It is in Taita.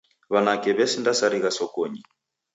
W'anake w'esindasarigha sokonyi.